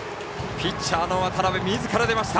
ピッチャーの渡邊がみずから出ました。